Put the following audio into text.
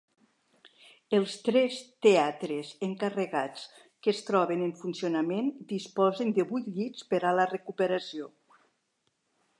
Els tres teatres encarregats que es troben en funcionament disposen de vuit llits per a la recuperació.